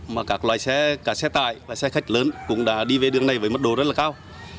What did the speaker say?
mà các loại xe cả xe tải và xe khách lớn cũng đã đi về đường này với mức độ rất là cao